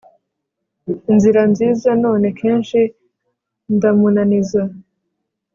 inzira nziza, none kenshi ndamunaniza